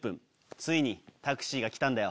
ついにタクシーが来たんだよ。